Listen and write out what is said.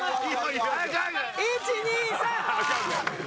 １２３。